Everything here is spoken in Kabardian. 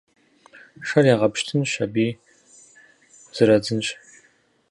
Шэр ягъэпщтынщ аби зэрадзынщ.